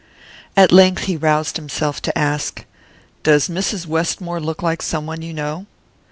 At length he roused himself to ask: "Does Mrs. Westmore look like some one you know?"